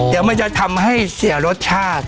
เดี๋ยวมันจะทำให้เสียรสชาติ